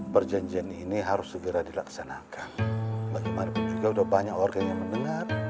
perjanjian ini harus segera dilaksanakan bagaimanapun juga sudah banyak warga yang mendengar